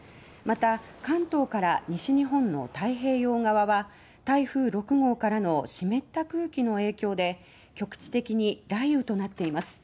また、関東から西日本の太平洋側は台風６号からの湿った空気の影響で局地的に雷雨となっています。